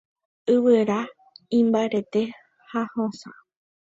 Yvyra imbarete ha hosã.